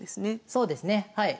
そうですねはい。